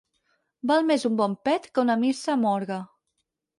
Val més un bon pet que una missa amb orgue.